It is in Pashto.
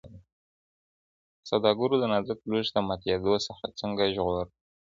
سوداګرو دا نازک لوښي د ماتېدو څخه څنګه ژغورل؟